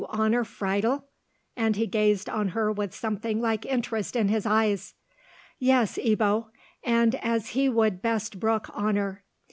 "To honour Friedel?" and he gazed on her with something like interest in his eyes. "Yes, Ebbo, and as he would best brook honour.